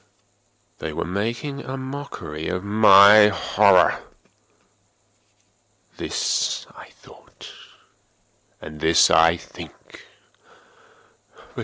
—they were making a mockery of my horror!—this I thought, and this I think.